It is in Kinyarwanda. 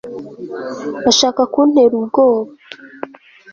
bashaka kuntera ubwoba